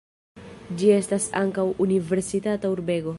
Ĝi estas ankaŭ universitata urbego.